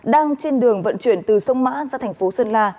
đang trên đường vận chuyển từ sông mã ra thành phố sơn la